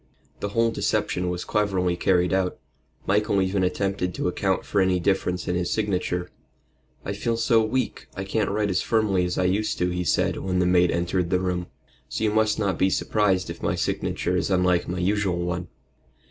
The whole deception was cleverly carried out. Michael even attempted to account for any difference in his signature. "I feel so weak I can't write as firmly as I used to," he said, when the maid entered the room. "So you must not be surprised if my signature is unlike my usual one."